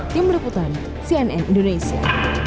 tim berliputan cnn indonesia